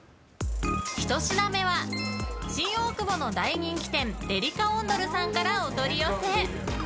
１品目は新大久保の大人気店でりかおんどるさんからお取り寄せ。